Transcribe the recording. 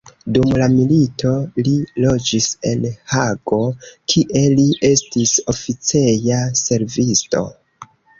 Dum la milito li loĝis en Hago, kie li estis oficeja servisto.